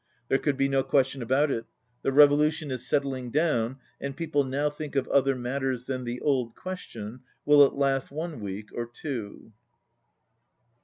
There could be no question about it. The revolution is settling down, and people now think of other matters than the old question, will it last one week or two?